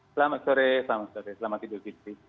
selamat sore selamat idul fitri